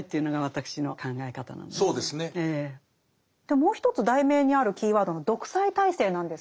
もう一つ題名にあるキーワードの「独裁体制」なんです